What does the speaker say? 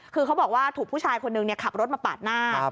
คือเขาบอกว่าถูกผู้ชายคนนึงขับรถมาปาดหน้า